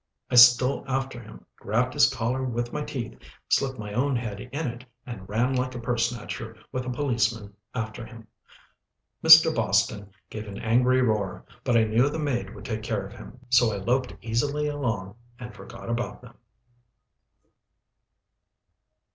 I stole after him, grabbed his collar with my teeth, slipped my own head in it, and ran like a purse snatcher with a policeman after him. Mr. Boston gave an angry roar, but I knew the maid would take care of him, so I loped easily along and forgot about them.